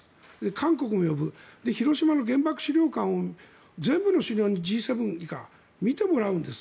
韓国も呼ぶ広島の原爆資料館を全部の首脳にＧ７以下、見てもらうんです。